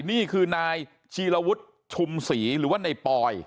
นี่คือนายชีรวุฒิชุมศรีหรือว่าในปอย